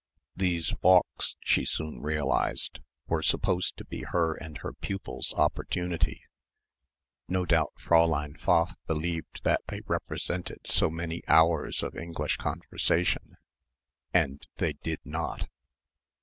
These walks, she soon realised, were supposed to be her and her pupils' opportunity. No doubt Fräulein Pfaff believed that they represented so many hours of English conversation and they did not.